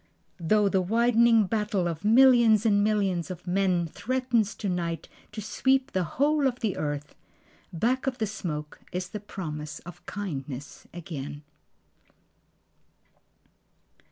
Though the widening battle of millions and millions of men Threatens to night to sweep the whole of the earth, Back of the smoke is the promise of kindness again.